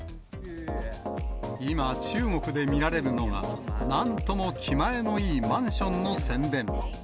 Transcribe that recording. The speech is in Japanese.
今、中国で見られるのが、なんとも気前のいいマンションの宣伝。